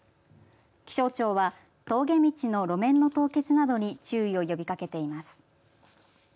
気象庁は峠道の路面の凍結などに注意を呼びかけています。